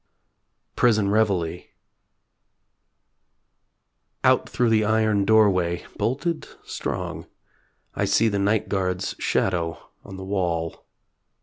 PRISON REVEILLE Out through the iron doorway, bolted strong, I see the night guard's shadow on the wall.